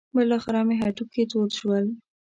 بالاخره مې هډوکي تود شول.